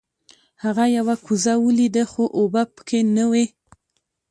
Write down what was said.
هغه یوه کوزه ولیده خو اوبه پکې نه وې.